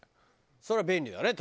それは便利だね